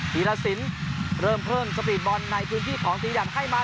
ทีละสินเริ่มเพิ่มสปริดบอลในคุณที่ของตีดับให้มา